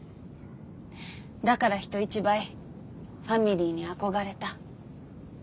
だから人一倍ファミリーに憧れた。